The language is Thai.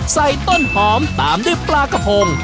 ต้นหอมตามด้วยปลากระพง